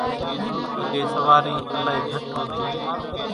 اڳيَ سوارِي الائِي گھٽ هوتِي۔